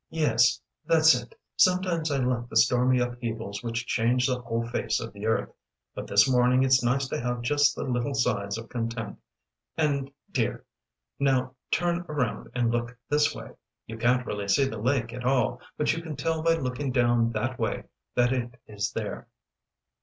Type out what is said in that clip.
"Yes, that's it. Sometimes I like the stormy upheavals which change the whole face of the earth, but this morning it's nice to have just the little sighs of content. And, dear now turn around and look this way. You can't really see the lake at all but you can tell by looking down that way that it is there."